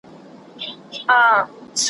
د انسان کمال یې نه وو پېژندلی ,